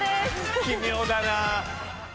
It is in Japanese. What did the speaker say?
奇妙だな。